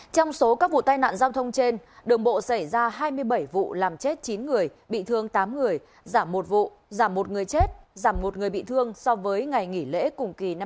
trong số các vụ tai nạn giao thông trên đường bộ xảy ra hai mươi bảy vụ làm chết chín người bị thương tám người giảm một vụ giảm một người chết giảm một người bị thương so với ngày nghỉ lễ cùng kỳ năm hai nghìn hai mươi ba